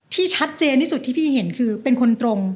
ที่ชัดเจนที่สุดที่พี่เห็นคือเป็นคนตรง